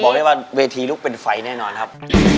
บอกให้เป็นว่าเวทีลุกเป็นไฟแน่นอนครับ